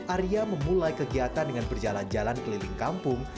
arya memulai kegiatan dengan berjalan jalan keliling kampung